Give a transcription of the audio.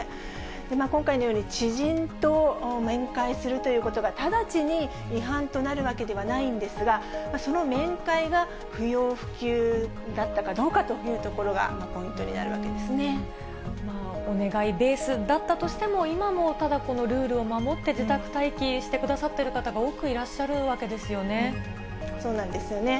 今回のように知人と面会するということが、直ちに違反となるわけではないんですが、その面会が不要不急だったかどうかというところが、ポイントになお願いベースだったとしても、今もルールを守って自宅待機してくださっている方が多くいらっしそうなんですよね。